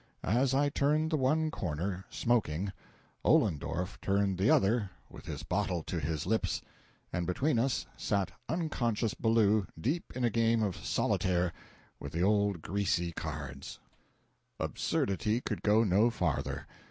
As I turned the one corner, smoking, Ollendorff turned the other with his bottle to his lips, and between us sat unconscious Ballou deep in a game of "solitaire" with the old greasy cards! 240.jpg (102K) Absurdity could go no farther.